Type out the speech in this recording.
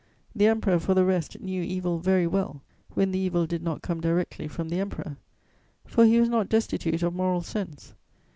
The Emperor, for the rest, knew evil very well, when the evil did not come directly from the Emperor; for he was not destitute of moral sense.